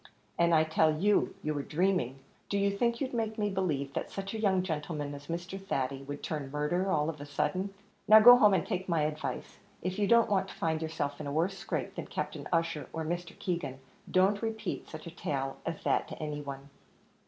"And I tell you, you were dreaming. Do you think you'd make me believe that such a young gentleman as Mr. Thady would turn murderer all of a sudden? Now go home, and take my advice; if you don't want to find yourself in a worse scrape than Captain Ussher, or Mr. Keegan, don't repeat such a tale as that to any one."